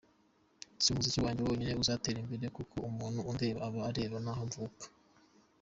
Si umuziki wanjye wonyine uzatera imbere kuko umuntu undeba aba areba n’aho mvuka.